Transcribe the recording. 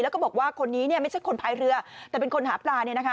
แล้วก็บอกว่าคนนี้ไม่ใช่คนภายเรือแต่เป็นคนหาปลา